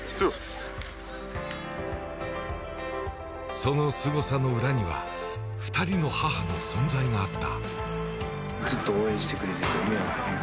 そのすごさの裏には、２人の母の存在があった。